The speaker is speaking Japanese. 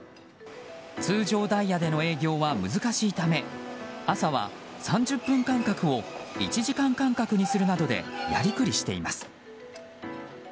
通常ダイヤでの営業は難しいため朝は３０分間隔を１時間間隔にするなどでやりくりしています。